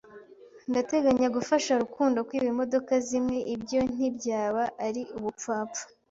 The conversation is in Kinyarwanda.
"Ndateganya gufasha Rukundo kwiba imodoka zimwe." "Ibyo ntibyaba ari ubupfapfa."